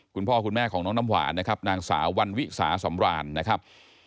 คุณพ่อคุณแม่ของน้องน้ำหวานนะครับนางสาววันวิสาสำรานนะครับ